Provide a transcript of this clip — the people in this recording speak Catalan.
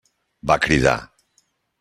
Va cridar.